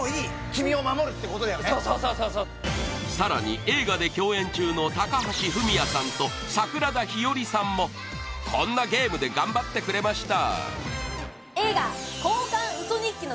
そうそうそうそうそうさらに映画で共演中の高橋文哉さんと桜田ひよりさんもこんなゲームで頑張ってくれました